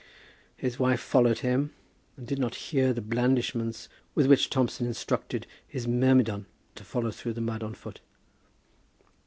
His wife followed him, and did not hear the blandishments with which Thompson instructed his myrmidon to follow through the mud on foot.